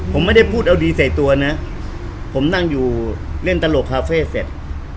ผมไม่ได้พูดเอาดีใส่ตัวนะผมนั่งอยู่เล่นตลกคาเฟ่เสร็จ